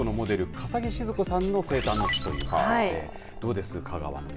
笠置シヅ子さんの生誕の地ということでどうですか。